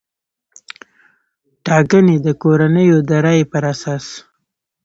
ټاګنې د کورنیو د رایې پر اساس